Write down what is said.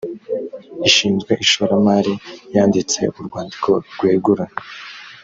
ishinzwe ishoramari yanditse urwandiko rwegura